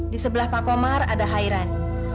di sebelah pak komar ada hairan